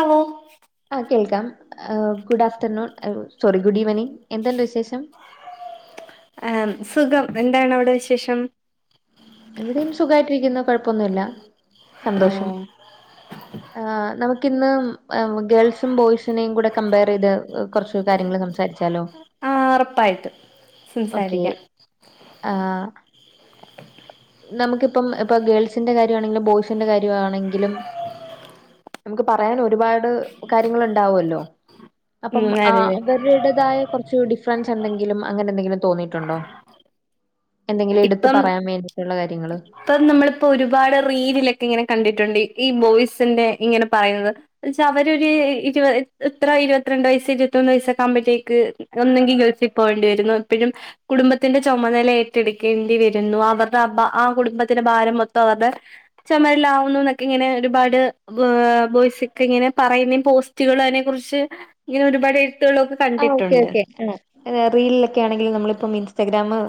ആവോ ആഹ് കേൾക്കാം good afternoon sorry good evening എന്തുണ്ട് വിശേഷം ആഹ് സുഖം എന്താണ് അവിടെ വിശേഷം ഇവിടെയും സുഖമായിട്ടിരിക്കുന്നു കുഴപ്പൊന്നുല്ല സന്തോഷം ആഹ് നമുക്കിന്ന്‌ ഗേൾസും ബോയ്സിനെയും കൂടെ കമ്പയർ ചെയ്ത് കുറച്ചു കാര്യങ്ങൾ സംസാരിച്ചാലോ ആഹ് ഉറപ്പായിട്ടും ഓക്കെ സംസാരിക്കാം ആഹ് നമുക്കിപ്പം ഇപ്പൊ ഗേൾസിന്റെ കാര്യവാണെങ്കിലും ബോയ്സിന്റെ കാര്യവാണെങ്കിലും നമുക്ക് പറയാൻ ഒരുപാട് കാര്യങ്ങൾ ഉണ്ടാവല്ലോ അപ്പം ഉം അതെ അതെ അവരുടേതായ കുറച്ച് ശു ഡിഫറൻസ് എന്തെങ്കിലും അങ്ങനെ എന്തെങ്കിലും തോന്നിയിട്ടുണ്ടോ എന്തെങ്കിലും എടുത്ത് പറയാൻ വേണ്ടി ഉള്ള കാര്യങ്ങൾ ഇപ്പൊ നമ്മളിപ്പോ ഒരുപാട് റീലിലൊക്കെ ഇങ്ങനെ കണ്ടിട്ടുണ്ട് ഈ ബോയ്സിന്റെ ഇങ്ങനെ പറയുന്നത് എന്ന്ച്ച അവരോരീ ഇരുപ എത്ര ഇരുപത്തിരണ്ട് വയസ് ഇരുപത്തൊന്ന് വയസ്സ ഒക്കെ ആവുമ്പോഴത്തേക്ക് ഒന്നെങ്കിൽ ഗൾഫിൽ പോകേണ്ടി വരുന്നു ഇപ്പോഴും കുടുംബത്തിന്റെ ചുമതല എ ട്ടെടുക്കേണ്ടി വരുന്നു അവരുടെ ആ കുടുംബത്തിന്റെ ഭാരം മൊത്തം അവരുടെ ചുമലിലാവുന്നു എന്നൊക്കെ ഇങ്ങനെ ഒരുപാട് ബ് ബോയ്സ് ഒക്കെ ഇങ്ങനെ പറയുന്നെ പോസ്റ്റുകളും അതിനെ കുറിച്ച് ഇങ്ങനെ ഒരുപാട് എഴുത്തുകളുവൊക്കെ ആ ഓക്കേ ഓക്കേ ആ ഏഹ് റീലിലൊക്കെ ആണെങ്കിലും നമ്മളിപ്പം ഇൻസ്റ്റഗ്രാമ്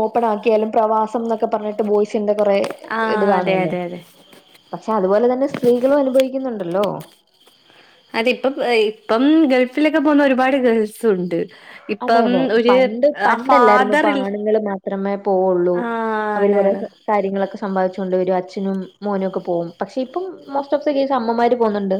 ഓപ്പൺ ആക്കിയാലും പ്രവാസം ന്നൊക്കെ പറഞ്ഞിട്ട് ബോയ്സിന്റെ കൊറെ ആ ഇത് അതെ കാണുല്ലോ അതെ അതെ പക്ഷെ അതുപോലെ തന്നെ സ്ത്രീകളും അനുഭവിക്കുന്നുണ്ടല്ലോ അത് ഇപ്പം ഇപ്പം ഗൾഫിലൊക്കെ പോവുന്ന ഒരുപാട് ഗേൾസും ഉണ്ട് അതെ ഇപ്പം അതെ ഒരു പണ്ട് ആ പണ്ടല്ലായിരുന്നു ഇപ്പൊ ഫാദറിൽ ആണുങ്ങൾ മാത്രമേ പോവുള്ളൂ ആ അവര് കൊറെ ആണാണ് കാര്യങ്ങളൊക്കെ സംഭാദിച്ചൊണ്ട് വരും അച്ഛനും മോനും ഒക്കെ പോവും പക്ഷെ ഇപ്പം മോസ്റ്റ് ഓഫ് ദി കേസ് അമ്മമാര് പോന്നുണ്ട്.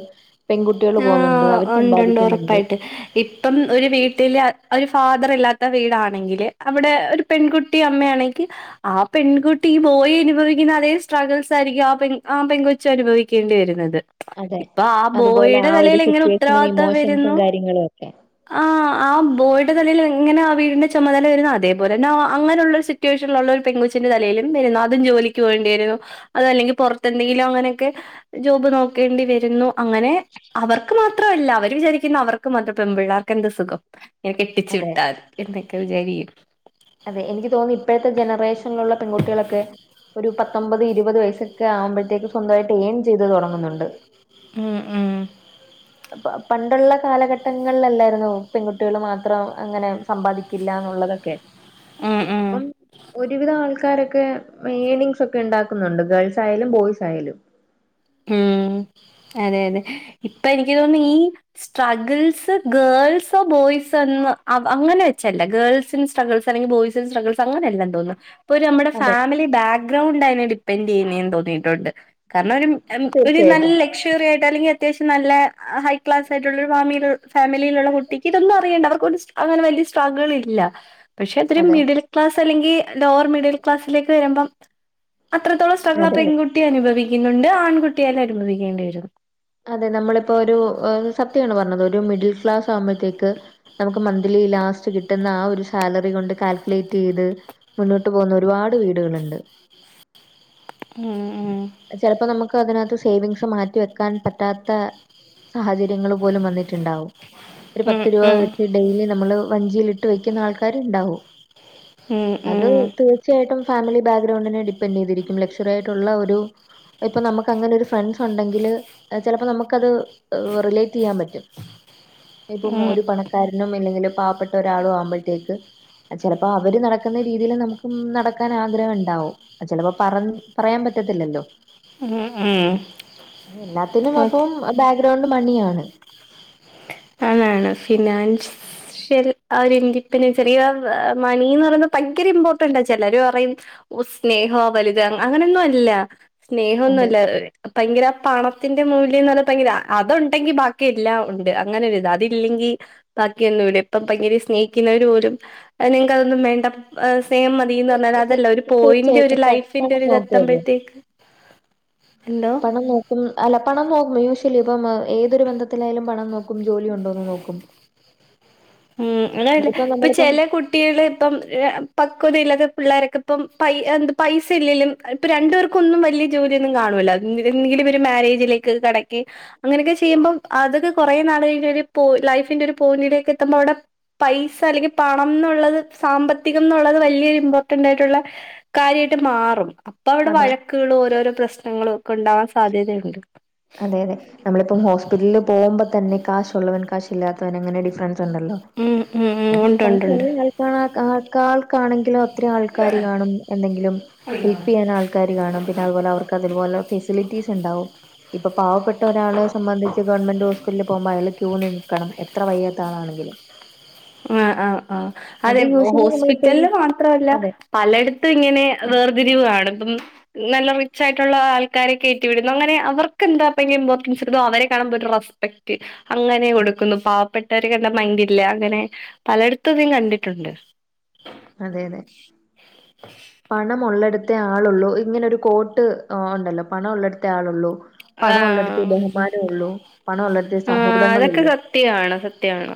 പെൺകുട്ടികൾ ആ പോകുന്നുണ്ട് അവര് ഉണ്ടുണ്ട് സമ്പാദിക്കിന്ന്ണ്ട്. ഉറപ്പായിട്ട് ഇപ്പം ഒരു വീട്ടില് ഒരു ഫാദർ ഇല്ലാത്ത വീടാണെങ്കില് അവിടെ ഒരു പെൺകുട്ടി അമ്മയാണെങ്കി ആഹ് പെൺകുട്ടി ഈ ബോയി അനുഭവിക്കുന്ന അതേ സ്ട്രഗിൾസ് ആയിരിക്കും ആഹ് പെൺ ആഹ് പെൺക്കു ച്ചു അനുഭവിക്കേണ്ടി വരുന്നത് അതെ ഇപ്പൊ ആ അതുപോലെ ബോയിയുടെ ആഹ് ഒരു തലയിൽ എങ്ങനെ സിറ്റുവേഷനും ഉത്തരവാദിത്തം ഇമോഷൻസും വരുന്നു കാര്യങ്ങളും ഒക്കെ ആഹ് ആ ആ ബോയുടെ തലയിൽ എങ്ങനാ ആ വീടിന്റെ ചുമതല വരുന്നോ അതേപോലെ തന്നെ അങ്ങനെയുള്ളൊരു സിറ്റുവേഷനിൽഉള്ള ഒരു പെങ്കൊച്ചിന്റെ തലയിലും വരുന്നു അതും ജോലിക്ക് പോവേണ്ടി വരോ അതും അല്ലെങ്കിൽ പുറത്തെന്തെങ്കിലും അങ്ങനെയൊക്കെ ജോബ് നോക്കേണ്ടി വരുന്നു അങ്ങനെ അവർക്ക് മാത്രല്ല അവര് വിചാരിക്കുന്ന അവർക്ക് മാത്രം പെൺ പിള്ളേർക്ക് എന്ത്‌ സുഖം ഇങ്ങനെ കെട്ടിച്ചു അതെ വിട്ടാൽ എന്തക്കെ വിചാരി അതെ എനിക്ക് തോന്നുന്നു ഇപ്പോഴത്തെ ജനറേഷനിലുള്ള പെൺകുട്ടികളൊക്കെ. ഒരു പത്തൊമ്പത് ഇരുപത് വയസ്സൊക്കെ ആവുമ്പോഴത്തേക്ക് സ്വന്തമായിട്ട് ഏൺ ചെയ്ത് വരുന്നുണ്ട് തുടങ്ങുന്നുണ്ട്. ഉം ഉം പണ്ടുള്ള കാലഘട്ടങ്ങളിലല്ലായിരുന്നോ പെൺകുട്ടികള് മാത്രം അങ്ങനെ സമ്പാദിക്കില്ല എന്നുള്ളത്. കെ ഉം ഉം ഇപ്പം ഒരുവിധം ആൾക്കാരൊക്കെ ഏണിങ്സ് ഒക്കെ ഉണ്ടാക്കുന്നുണ്ട് ഗേൾസ് ആയാലും ബോയ്സ് ആയാലും. ഉം അതെ അതെ ഇപ്പൊ എനിക്ക് തോന്നുന്നു ഈ സ്ട്രഗിൾസ് ഗേൾസോ ബോയ്സോ എന്ന് അവ അങ്ങനെ വെച്ചല്ല ഗേൾസിൻസ് സ്ട്രെഗിൾസ് അല്ലെങ്കിൽ ബോയ്സിന് സ്ട്രെഗിൾസ് അങ്ങനെല്ലാം തോന്നുന്നു ഇപ്പൊ ഒരു നമ്മുടെ അതെ ഫാമിലി ബാക്ക്ഗ്രൗണ്ട് അയിനെ ഡിപ്പെൻഡ് ചെയ്യുന്നേന്ന് തോന്നിയിട്ടുണ്ട്. കാരണം ഒരു ഒരു നല്ല തീർച്ചയായിട്ടും ലക്ഷറി ആയിട്ട് അല്ലെങ്കിൽ അത്യാവശ്യം നല്ല ഹൈ ക്ലാസ് ആയിട്ടുള്ള ഒരു ഫാമീല് ഫാമിലിയിലുള്ള കുട്ടിക്ക് ഇതൊന്നും അറിയേണ്ട അവർക്കൊരു സ് അങ്ങനെ വലിയ സ്ട്രഗിൾ ഇല്ല പക്ഷെ ഇത്തിരി അതെ മിഡിൽ ക്ലാസ് അല്ലെങ്കിൽ ലോവർ മിഡിൽ ക്ലാസിലേക്ക് വരുമ്പോം അത്രത്തോളം സ്ട്രക്ളറ് അതെ അതെ. പെൺക്കു ട്ടിയും അനുഭവിക്കുന്നുണ്ട് ആൺകുട്ടിയാലും അനുഭവിക്കേണ്ടി വരും അതെ നമ്മളിപ്പോ ഒരു സത്യമാണ് പറഞ്ഞത് ഒരു മിഡിൽ ക്ലാസ്സ്‌ ആവുമ്പഴത്തേക്ക് നമുക്ക് മൺതിലി ലാസ്റ്റ് ക്കി കിട്ടുന്ന ആ ഒരു സാലറി കൊണ്ട് കാൽക്കുലേറ്റ് ചെയ്ത് മുന്നോട്ട് പോകുന്ന ഒരുപാട് വീടുകള്ണ്ട്. ഉം ചലപ്പോ നമുക്ക് അതിനകത്ത് സേവിങ്സ് മാറ്റി വെക്കാൻ പറ്റാത്ത സാഹച ര്യങ്ങള് പോലും വന്നിട്ടുണ്ടാവും ഒരു ഉം പത്ത് രൂപ ഉം വെച്ച് ഡെയിലി നമ്മള് വഞ്ചിയിൽ ഇട്ട് വെക്കുന്ന ആൾക്കാരും ഉണ്ടാവും ഉം അത് ഉം തീർ ചേട്ടൻ ഫാമിലി ബാക്ക്ഗ്രൗണ്ടിനെ ഡിപ്പെൻറ് ചെയ്തിരിക്കും. ലക്ഷറി ആയിട്ടുള്ള ഒരു ഇപ്പൊ നമുക്ക് അങ്ങനെ ഒരു ഫ്രണ്ട്സ് ഉണ്ടെങ്കില് ഏഹ് ചിലപ്പോ നമ്മുക്കത് ഏഹ് റിലേറ്റ് ചെയ്യാൻ പറ്റും. ഇപ്പം ഉം ഒരു പണക്കാരനും ഇല്ലെങ്കിൽ പാവപ്പെട്ട ഒരാളും ആവുമ്പോഴത്തേക്ക് ചെലപ്പോ അവര് നടക്കുന്ന രീതിയിൽ നമുക്കും നടക്കാൻ ആഗ്രഹം ഇണ്ടാവും. ചിലപ്പോ പറന്ന് പറയാൻ പറ്റത്തില്ലല്ലോ. എ എ അതിനും അപ്പം ബാക്ക്ഗ്രൗണ്ട് മണിയാണ്. അതാണ് ഫിനാൻസ് ഷ്യൽ ആഹ് ഒരു ഇന്റിപെൻഡന്റ് ചെറിയ മണിന്ന് പറയുമ്പോ ഭയങ്കര ഇമ്പോർട്ടന്റാ ചിലര് പറയും. ഓ സ്നേഹോ വലിത് അങ്ങ് അങ്ങനൊന്നു അല്ല അതെ സ്നേഹൊന്നൊല്ല അ എ് ഭയങ്കര പണത്തിന്റെ മൂല്യന്നറഞ്ഞാ ഭയങ്കര അതുണ്ടെങ്കി ബാക്കിയെല്ലാം ഉണ്ട് അങ്ങനെ ഒരിത് അതില്ലെങ്കി ബാക്കിയൊന്നുല്ല ഇപ്പം ഭയങ്കര സ്നേഹിക്കുന്നവര് പോലും ആ നിങ്ങക്ക് അതൊന്നും വേണ്ട ആ സെയിം മതി പറഞ്ഞാൽ ഇത് അതല്ല ഒരു പോയിന്റ് ഒരു തീർച്ചയായിട്ടും പണം ലൈഫിന്റെ പണം ഒരിത് നോക്കുമല്ലോ എത്തബഴ്ത്തേക്ക് ഹലോ ഉം അല്ല പണം നോക്കും യൂഷ്വലി ഇപ്പം എ ഏതൊരു ബന്ധത്തിലായാലും പണം നോക്കും ജോലി ഉണ്ടോന്ന് നോക്കും ഉം അങ്ങനെയല്ല അതിപ്പോ ഇപ്പൊ നമ്മളിപ്പം ചില കുട്ട ട്ടികള് ഇപ്പം എ് ആ പക്വത ഇല്ലാതെ പിള്ളേരൊക്കെ ഇപ്പം പൈ എന്താ പൈസ ഇല്ലേലും ആഹ് ഇപ്പ രണ്ടു പേർക്കൊന്നും വല്യ ജോലിയൊന്നും കാണൂല്ല എന്തര് എന്നെങ്കിലിവര് മാരേജിലേക്ക് കടക്കി അങ്ങനെക്കെ ചെയ്യുമ്പം അതൊക്കെ കൊറേ നാള് കഴിഞ്ഞ് ഒരു പോ ലൈഫിന്റെ ഒരു പോയിന്റിലേക്കെ ത്തുമ്പ അവിടെ പൈസ അല്ലെങ്കി പണംന്നുള്ളത് സാമ്പത്തികംന്നുള്ളത് വല്യൊരു ഇമ്പോർട്ടന്റായിട്ടുള്ള കാര്യായ്ട്ട് മാറും അപ്പ അവടെ അതെ വഴക്ക്കളോ ഒരോരോ പ്രശ്നങ്ങളും ഒക്കെ ഉണ്ടാവാൻ സാധ്യതേണ്ട് അതെ അതെ നമ്മളിപ്പം ഹോസ്പിറ്റലിൽ പോകുമ്പോ തന്നെ കാശൊള്ളവൻ കാശില്ലാത്തവൻ അങ്ങനെ ഡിഫറൻസ് ഒണ്ടല്ലോ ഉം ഉം ഉം അപ്പം ഉണ്ട് പൈസ ഉണ്ട് ഉണ്ട് ഒള്ളവൻ ക്കാൾക്കാണെങ്കിലു ഒത്തിരി ആൾക്കാര് കാണും എന്തെങ്കിലും ഹെൽപെയ്യാനാൾക്ക ക്കാര് കാണും പിന്ന അതുപോലെ അവർക്ക് അതിൻ പോലെ ഫെസിലിറ്റീസ് ഇണ്ടാവും ഇപ്പൊ പാവപ്പെട്ട ഒരാളെ സംബന്ധിച്ച് ഗവൺമെന്റ് ഹോസ്പിറ്റൽല് പോവുമ്പ അയാള് ക്യൂ നിന്ന് ക്കണം എത്ര വയ്യാത്ത ആളാണെങ്കിലും ആ ആ ആ അത് അതെ ഹോ യൂഷ്വലി നമ്മളിപ്പോഴും ഹോസ്പിറ്റലല് മാത്രൊല്ല അതെ പലേടത്തും ഇങ്ങനെ വേർതിരിവ് കാണും ഈ നല്ല റിച്ച് ആയിട്ടൊള്ള ആൾക്കാരെക്കെ കേറ്റിവിടുന്നു അങ്ങനെ അവർക്കെന്താ ഭയങ്കര ഇമ്പോർട്ടൻസ് ഇടുതോ അവരെ കാണുമ്പോ ഇത്ര റെസ് പെക്റ്റ് അങ്ങനെ അതെ കൊടുക്കുന്നു പാവപ്പെട്ടവരിക്ക് എന്താ മൈൻഡില്ലേ അങ്ങനെ പലേട്ത്തു ഇത് കണ്ടിട്ടുണ്ട് അതെ അതെ പണം ഒള്ളടുത്തേ ആളുള്ളൂ ഇങ്ങനെ ഒരു കോട്ട് ഒ ഒണ്ടല്ലോ പണൊള്ളിടത്തേ ആളൊള്ളൂ പണം ഒള്ളടത്തേ ആഹ് ബഹുമാനോം ഒള്ളൂ പണം ഒള്ളട ആ അതൊക്കെ സത്യാണ് സത്യാണ്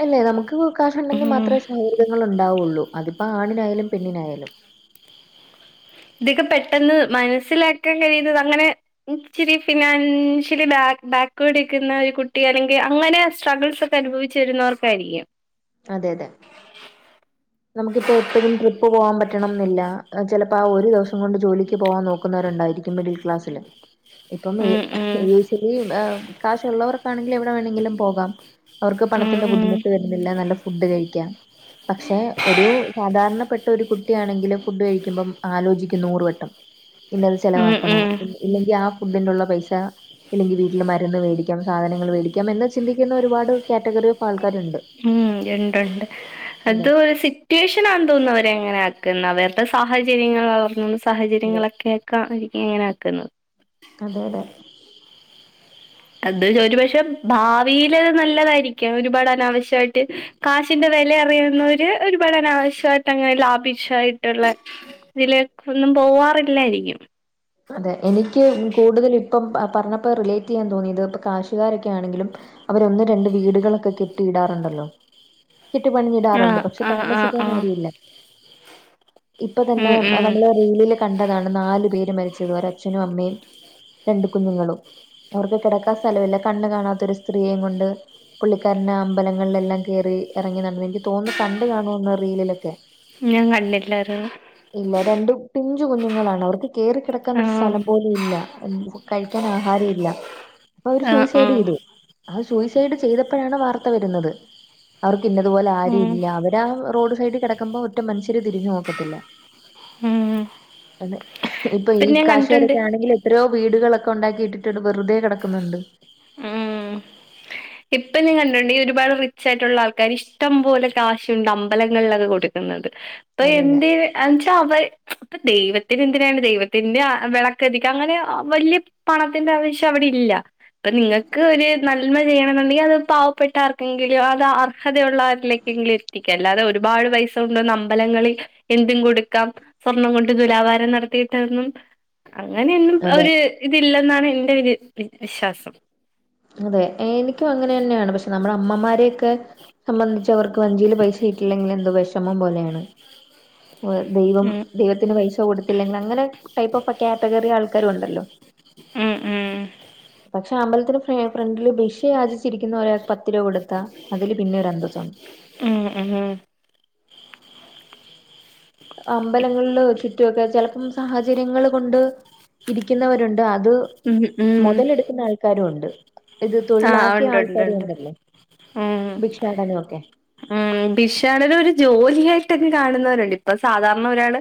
അല്ലേ നമുക്ക് കാശുണ്ടെങ്കി മാത്രേ സൗഹൃദങ്ങൾ ഉണ്ടാവുള്ളൂ അതിപ്പോ ആണിനായാലും പെണ്ണിനായാലും എനിക്ക് പെട്ടെന്ന് മനസ്സിലാക്കാൻ കഴിയുന്നത് അങ്ങനെ ഇച്ചിരി ഫിനാൻഷ്യലി ബാക്ക് ബാക്ക്വേഡ് ടിക്ക്ന്ന ഒരു കുട്ടി ആണെങ്കി അങ്ങനെ സ്ട്രഗ്ൾസ് ക്കഅനുഭവിച്ചുരുന്നവർക്കായിരിക്കും അതെ അതെ നമുക്കിപ്പ എപ്പോഴും ട്രിപ്പ് പോവാൻ പറ്റണംന്നില്ല ചെലപ്പ ആ ഒരു ദിവസം കൊണ്ട് ജോലിക്ക് ക്ക് പോവാൻ നോക്കുന്നവരുണ്ടായിരിക്കും മിഡിൽ ക്ലാസില് ഇപ്പം ഈ ഉം ഉം ഇപ്പീ ഈ ഏ കാശുള്ളവർ പ്പാണെങ്കില് എവിടെ വേണെങ്കിലും പോകാം അവർക്ക് ഉം പണത്തിന്റെ ഉം ബുദ്ധിമുട്ട് വരുന്നില്ല നല്ല ഫുഡ് കഴിക്കാം പക്ഷേ ഒരു സാധാരണപ്പെട്ട ഒരു കുട്ടിയാണെങ്കില് ഫുഡ് കഴിക്കുമ്പം ആലോചിക്കും നൂറ് വട്ടം പിന്നെ അത് ഉം ചെലവാക്കണോ ഉം ഇല്ലെ ഇല്ലെങ്കി ആ ഫുഡിന്റെ ഉള്ള പൈസ ഇല്ലെങ്കിൽ വീട്ടിൽ മരുന്ന് മേടിക്കാം സാധനങ്ങള് മേടിക്കാം എന്ന് ചിന്തിക്കുന്ന ഒരുപാട് കാറ്റഗറി ആൾക്കാരുണ്ട് ഉം എണ്ട് എണ്ട് അത് അതെ ഒരു സിറ്റ റ്റ്യോഷനാ തോന്നുന്നു അവരെ അങ്ങനെ ആക്കുന്ന അവരുടെ സാഹചര്യങ്ങള അവർന്ന് അതെ. സാഹചര്യങ്ങളൊക്കെ ക്ക അവരിക്കങ്ങനെ ആക്കുന്നത് അതെ അതെ അത് ഒരുപക്ഷെ ഭാവിയില് നല്ലതായിരിക്കാം ഒരുപാട് അനാവശ്യായിട്ട് കാശിന്റെ വെല അറിയാവുന്നവര് ഒരുപാട് അനാവശ്യായിട്ട് അങ്ങനെ ലാവിഷായിട്ടുള്ള ഇതിലേക്കൊന്നും പോവാറില്ലായിരിക്കും അതെ എനിക്ക് ഉം കൂടുതൽ ഇപ്പം അ പറഞ്ഞപ്പ റിലേറ്റെയ്യാൻ തോന്നിയത് ഇപ്പ കാശുകാരൊക്കെ ആണെങ്കിലും അവരൊന്ന് രണ്ട് വീടുകളൊക്കെ കെട്ടിയിടാറുണ്ടല്ലോ കിട്ടി പണിഞ്ഞിടാറുണ്ട് ആഹ് പക്ഷെ ആഹ് ആഹ് താമസിക്കാൻ ആഹ് ആരുല്യാ ഇപ്പൊ തന്നെ ഉം ഉം നമ്മള് റീലിൽ കണ്ടതാണ് നാലു പേര് മരിച്ചത് ഒരഅച്ഛനും അമ്മയും ഇ രണ്ട് കുഞ്ഞുങ്ങളും അവർക്ക് കിടക്കാ സ്ഥലുല്യ കണ്ണ് കാണാത്ത ഒരു സ്ത്രീയേം കൊണ്ട് പുള്ളിക്കാരൻ അമ്പലങ്ങളിൽ എല്ലാം കേറി ഇറങ്ങി നടന്ന് എനിക്ക് തോന്നുന്നു കണ്ടു കാണൂന്ന് റീലിലൊക്കെ ഞാൻ കണ്ടിട്ട്ല്ലാല്ലോ ഇല്ല രണ്ട് പിഞ്ചു കുഞ്ഞുങ്ങളാണ് അവർക്ക് കേറികിടക്ക ക്കാൻ ആഹ് സ്ഥലം പോലും ഇല്ല കഴിക്കാൻ ആഹാരുംല്ല അവര് ആഹ് സൂയിസൈഡ് ആഹ് ചെയ്തു ആ സൂയിസൈഡ് ചെയ്തപ്പോഴാണ് വാർത്ത വരുന്നത് അവർക്ക് ഇന്നതുപോലെ ആരും ഉം ഇല്ല അവരാ ആ റോഡ് സൈഡ് കിടക്കുമ്പോ ഒറ്റ മനുഷ്യര് തിരിഞ്ഞു നോക്കത്തില്ല ഉം അതെ ഇപ്പൊ ഈ പിന്നെ ഞാൻ കണ്ടിട്ടുണ്ട് അല്ലങ്കിൽ എത്രയോ വീടുകളൊക്കെ ഉണ്ടാക്കിട്ടിട്ട് വെറുതെ കിടക്കുന്നുണ്ട് ഉം ഹെ ഇപ്പൊ കണ്ടിട്ടുണ്ട് ഒരുപാട് റിച്ചായിട്ടുള്ള ആൾക്കാരിഷ്ടം പോലെ കാശുണ്ട് അമ്പലങ്ങളിലൊക്കെ കൊടു ന്നത് അഹ് അതെയതെ. എന്തിന് എൻചാ അവർ ച്ചി ഇപ്പൊ ദൈവത്തിന് എന്തിനാണ് ദൈവത്തിന്റെ ആ വിളക്കധിക അങ്ങനെ അ വല്യ പണത്തിന്റെ ആവശ്യം അവിടെ ഇല്ല അത് നിങ്ങൾക്ക് ഒരു നന്മ ചെയ്യണെന്നുണ്ടെങ്കിൽ അത് പാവപ്പെട്ട ആർക്കെങ്കിലോ അത് അർഹതയുള്ള ആര്ലെക്കെങ്കിലും ത്തിക്ക അല്ലാതെ ഒരുപാട് പൈസ കുണ്ടോന്ന് അമ്പലങ്ങളിൽ എന്തും കൊടുക്കാം സ്വർണം കൊണ്ട് തുലാഭാരം നടത്തിയിട്ടൊന്നും അങ്ങനെയൊന്നും അതെ, അതെ. ഒര് ഇതില്ലെന്നാണ് എന്റെ ഒര് വി വിശ്വാസം അതെ എനിക്കും അങ്ങനെ തന്നെയാണ് പക്ഷെ നമ്മുടെ അമ്മമാരെയൊക്കെ സംബന്ധിച്ച് അവർക്ക് വഞ്ചിയില് വൈ ഷീറ്റിൽ ഇങ്ങനെ എന്തോ വിഷമം പോലെയാണ് ഭ ദൈവം ഉം ദൈവത്തിന് വൈ കൊടുത്തില്ലെങ്കിൽ അങ്ങനെ ടൈപ്പ് ഓഫ് കാറ്റഗറി ആൾക്കാരു ഉണ്ടല്ലോ ഉം ഉം പക്ഷെ അമ്പലത്തിന് ഫ്ര ഫ്രണ്ടില് ഭിഷ യാചിച്ചിരിക്കുന്ന ഒരാൾക്ക് പത്ത് രൂപ കൊടുത്താ അതില് പിന്നെ ഒരു അന്തസുണ്ട് ഉം ഉം ഉം അമ്പലങ്ങളിൽ ചുറ്റുമൊക്കെ ചെലപ്പം സാഹചര്യങ്ങൾ കൊണ്ട് ഇരിക്കുന്നവരുണ്ട് അത് ഉം ഉം മുതലെടുക്കുന്ന ആൾക്കാരും ഉണ്ട് ഇത് ആഹ് തൊഴിലാക്കിയ ഉണ്ട് ഉണ്ട് ആൾക്കാരും ഉണ്ട് ഉണ്ടല്ലോ ഭിക്ഷാടനം ഒക്കെ മ്മ് ഭിക്ഷാടനം ഒരു ജോലിയായിട്ടൊക്കെ കാണുന്നവരുണ്ട് ഇപ്പൊ സാധാരണ ഒരാള്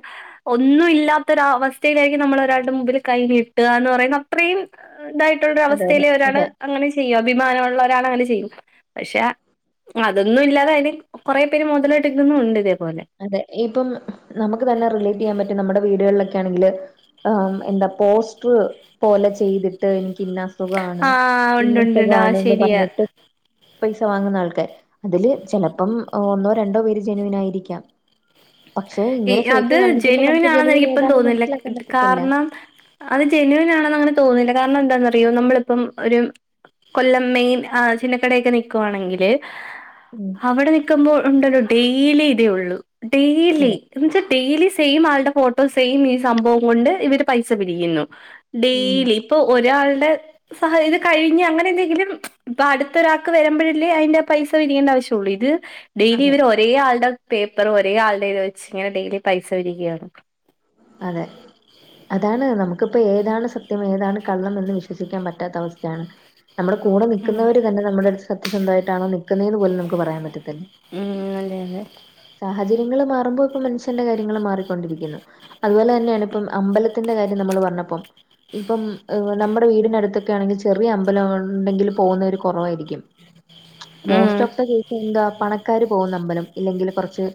ഒന്നും ഇല്ലാത്തൊര അവസ്ഥയിലായിരിക്കും നമ്മൾ ഒരാളുടെ മുമ്പിൽ കൈ നീട്ടാന്ന് പറയുന്ന അ അത്രയും അ ഇതായിട്ടുള്ള അതെ അതെ അവസ്ഥയിൽ ഒരാള് അതെ അങ്ങനെ ചെയ്യും അഭിമാന ഉള്ളോരാണേ അങ്ങനെ ചെയ്യും പക്ഷെ അതൊന്നും ഇല്ലാതെ അയിന് കൊറെ പേര് മൊതലടുക്കുന്നു ഉണ്ട് ഇതേപോലെ അതെ ഇപ്പം നമുക്ക് തന്നെ റിലേറ്റ് ചെയ്യാൻ പറ്റും നമ്മുടെ വീടുകളിലൊക്കെ ആണെങ്കില് ആഹ് എന്താ പോസ്റ്റർ പോലെ ചെയ്തിട്ട് എനിക്ക് ഇന്ന അസു സുഖാണ് ആഹ് ഉണ്ട് ഉണ്ട് ഉണ്ട് ആഹ് ഇന്നസുഖാണ്ന്ന് ശരിയാ പറഞ്ഞിട്ട് പൈസ വാങ്ങുന്ന ആൾക്കാർ അതില് ചിലപ്പം ഒന്നോ രണ്ടോ പേര് ജെനുവിൻ ആയിരിക്കാം പക്ഷെ ഏ ഇങ്ങനെ ഫേക്ക് അത് കാണിക്കുമ്പോൾ ജെനുവിൻ നമുക്ക് ആണെന്ന് എനിക്കിപ്പം ഏതാന്ന് തോന്നില്ല ക് മനസ്സിലാക്കാൻ പറ്റത്തില്ല കാരണം അത് ജെനുവിൻ ആണെന്ന് അങ്ങനെ തോന്നില്ല കാരണം എന്താന്നറിയോ നമ്മളിപ്പം ഒരു കൊല്ലം മെയിൻ ആ ചിന്നക്കടൊക്കെ നിക്കുവാണെങ്കിൽ ഹാ [inaudible] അവിടെ നിൽക്കുമ്പോൾ ഉണ്ടല്ലോ ഡെയിലി ഇതേ ഉള്ളൂ ഡെയിലി അതെ എന്ന്വെച്ചാ ഡെയിലി സെയിം ആളുടെ ഫോട്ടോ സെയിം ഈ സംഭവം കൊണ്ട് ഇവര് പൈസ പിരിക്കുന്നു ഉം ഡെയിലി ഇപ്പൊ ഒരാളുടെ സഹ ഇത് കഴിഞ്ഞ് അങ്ങനെ എന്തെങ്കിലും ച്ച് ഇപ്പൊ അടുത്തൊരാൾക്ക് വരുമ്പോഴല്ലേ അയിന്റെ പൈസ വിരിക്കേണ്ട ആവശ്യ തുളിര് ഹ് ഡെയിലി അതെ ഇവര് ഒരേ ആളുടെ പേപ്പർ ഒരേ ആളുടെ ഇത് വെച്ച് ഇങ്ങനെ ഡെയിലി പൈസ പിരിക്കയാണ് അതെ അതാണ് നമുക്കിപ്പോ ഏതാണ് സത്യം ഏതാണ് കള്ളം എന്ന് വിശ്വസിക്കാൻ പറ്റാത്ത അവസ്ഥയാണ് നമ്മുടെ കൂടെ നിൽക്കുന്നവര് തന്നെ നമ്മുടെ അടുത്ത് സത്യന്ധമായിട്ടാണോ നിക്കുന്നതന്ന് പോലും നമുക്ക് പറയാൻ പറ്റത്തില്ല. ഉം അതെ അതെ. സാഹചര്യങ്ങൾ മാറുമ്പോഴൊക്കെ മനുഷ്യന്റെ കാര്യങ്ങള മാറിക്കൊണ്ടിരിക്കുന്നു. അതുപോലെ തന്നെയാണ് ഇപ്പം അമ്പലത്തിന്റെ കാര്യം നമ്മള് പറഞ്ഞപ്പം. ഇപ്പം നമ്മുടെ വീടിനടുത്തൊക്കെ ആണെങ്കിൽ ചെറിയ അമ്പലം ഉണ്ടെങ്കിൽ പോകുന്നവർ കുറവായിരിക്കും. ഉം മോസ്റ്റ് ഓഫ് ദ കേസ് എന്താ പണക്കാര് പോകുന്ന അമ്പലം ഇല്ലെങ്കിൽ കുറച്ച്.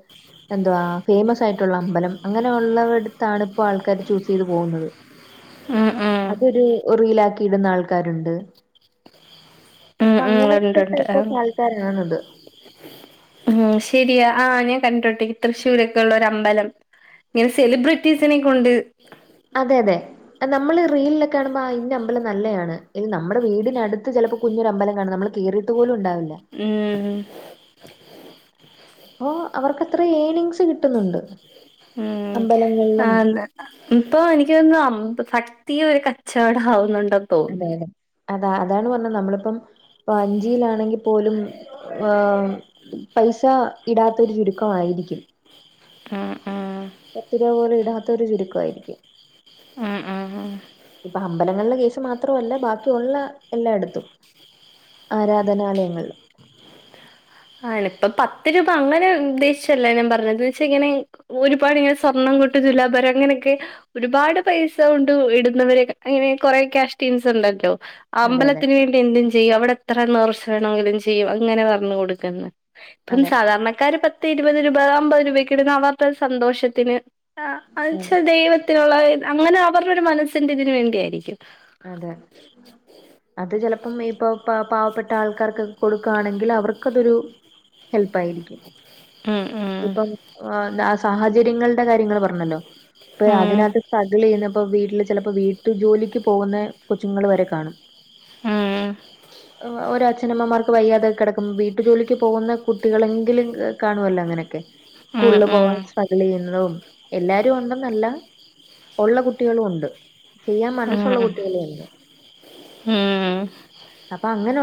എന്റുവ ഫേമസ് ആയിട്ടുള്ള അമ്പലം അങ്ങനെ. അത് ഉള്ളവർടത്താണ് ആൾക്കാരെ ചൂസ് ചെയ്തപ്പോൾ ഉം ഉം പോകുന്നത്അതൊരു റീലക്കി ഇടുന്ന ആൾക്കാരുണ്ട് ഉം അപ്പൊ ഉം അങ്ങനത്തെ ടൈപ്പ് ഓഫ് ആൾക്കാരാണത്. ഉ ശരിയാ ആഹ ഞാൻ കണ്ടിട്ടോട്ടേ തൃശ്ശൂരൊക്കെ ഉള്ളര അമ്പലം. ഇങ്ങനെ സെലിബ്രിറ്റീസിനെ കൊണ്ട്. അതെ അതെ നമ്മള് റീലിലൊക്കെ കാണുമ്പോൾ ഇന് അമ്പലം നല്ലതാണ് ഇത് നമ്മുടെ വീടിനടുത്ത് ചിലപ്പോ. കുഞ്ഞൊ ഒര അമ്പലംകണം നമ്മൾ കേയയിട്ട് പോലും ഉണ്ടാവില്ല. ഉം. അപ്പോൊ അവർക്ക് അത്ര യ്ണനിങ്സ് കിട്ടുന്നുണ്ട്. ഉം ആ. അമ്പലങ്ങളിലും ഇപ്പൊ എനിക്ക് തന്ന ഭക്തി ഒരു കച്ചവടം ആവുന്നുണ്ടോ. അതെ അതെ അതാ അതാണ് പറഞ്ഞത് നമ്മളിപ്പം അഞ്ചിയിലാണെങ്കിൽ പോലും. ആഹ പൈസ ഇടാത്ത ഒരു ചുരുക്കമായിരിക്കും. ആഹ ആഹ പത്ത് രൂപ പോലെ ഇടാത്ത ഒരു ചുരുക്കമായിയിരിക്കും. ആഹ് ആഹ് ആഹ്. ഇപ്പൊ അമ്പലങ്ങളില കേസ് മാത്രല്ല ബാക്കി ഉള്ള എല്ലായിടത്തും ആരാധനാലയങ്ങള. ആ ഇപ്പ പത്ത് രൂപ അങ്ങനെ ഉദ്ദേശിച്ചല്ലേ ഞാൻ പറഞ്ഞത് വെച്ച ഇങ്ങനെ. ഒരുപാടിങ്ങനെ സ്വർണ്ണം കൊട്ട് ദുലഭാരം അങ്ങനെയൊക്കെ. ഒരുപാട് പൈസ കൊണ്ട് ഇടുന്നവരെ അങ്ങനെ കൊറെ ക്യാഷ് ടീംസ് ഉണ്ടല്ലോ. അതെ അതെ അമ്പലത്തിന് വേണ്ടി എന്തും ചെയ്യും അവിടെ എത്ര നേർച്ച വേണമെങ്കിലും ചെയ്യും. അങ്ങനെ പറഞ്ഞു കൊടുക്കന്ന് ഇപ്പം അതെ സാധാരണക്കാര് പത്ത് ഇരുപത് രൂപ അമ്പത് രൂപക്ക് ഇടുന്ന അവരുടെ സന്തോഷത്തിന്. ആ എന്ന അതെ വച്ചാൽ ദൈവത്തിനുള്ള അങ്ങനെ അവരുടെ ഒരു മനസ്സിന്റെ ഇതിന വേണ്ടി ആയിരിക്കും. അതെ. അത് ചിലപ്പം ഇപ്പൊ പ പാവപ്പെട്ട ആൾക്കാർക്കൊക്കെ കൊടുക്കുകയാണെങ്കിൽ അവർക്കതൊരു. ഹെൽപ്പ ആയിരിക്കും. ഉം ഇപ്പം എന്താ സാഹചര്യങ്ങളുടെ കാര്യങ്ങൾ പറഞ്ഞല്ലോ. ഇപ്പൊ ഉം അതിനകത്ത് സ്ട്രഗിൾ ചെയ്യുന്നപ്പ വീട്ടില് ചിലപ്പോ വീട്ടു ജോലിക്ക്. പോകുന്ന കൊച്ചുങ്ങൾ വരെ കാണും ഉം ഓരോ അച്ഛനമ്മമാർക്ക് വയ്യാതെ. കിടക്ക്പ വീട്ടു ജോലിക്ക് പോകുന്ന കുട്ടികളെങ്കിലും കാണുമല്ലോ അങ്ങനെയൊക്കെ. ഉം സ്കൂളിൽ പോകൻ ഉം സ്ട്രഗിൾ ചെയ്യുന്നതും. എല്ലാരും ഉണ്ട നല്ല ഉള്ള കുട്ടികളും ഉണ്ട് ചെയ്യാൻ മനസ്. ഉം ഉം ഉം [unintelligible] അപ്പോ അങ്ങനെ